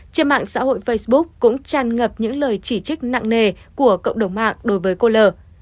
trên mạng xã hội facebook cũng tràn ngập những lời chỉ trích nặng nề của cộng đồng mạng đối với cô lờ